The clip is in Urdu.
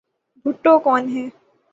بھٹو کون ہیں؟